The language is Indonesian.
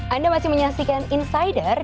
anda masih menyaksikan insider